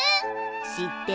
知ってる？